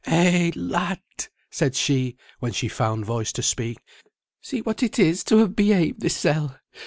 "Eh, lad!" said she, when she found voice to speak. "See what it is to have behaved thysel!